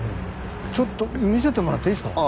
ちょっと見せてもらっていいですか？